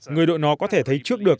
người đội nó có thể thấy trước được